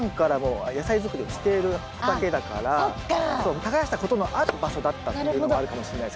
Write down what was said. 耕したことのある場所だったっていうのもあるかもしれないですけどね。